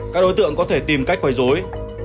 các đối tượng có thể tìm cách quấy rối